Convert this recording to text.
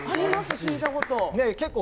聴いたこと。